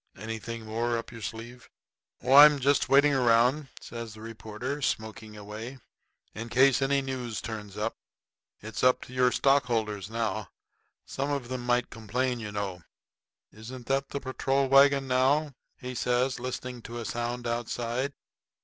Anything more up your sleeve?" "Oh, I'm just waiting around," says the reporter, smoking away, "in case any news turns up. It's up to your stockholders now. Some of them might complain, you know. Isn't that the patrol wagon now?" he says, listening to a sound outside.